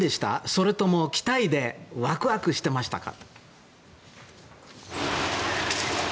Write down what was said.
それとも期待でワクワクしてましたか。